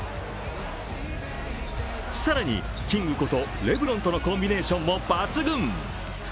更に、キングことレブロンとのコンビネーションも抜群。